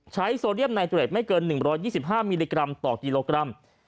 โซเดียมไนเตรดไม่เกิน๑๒๕มิลลิกรัมต่อกิโลกรัม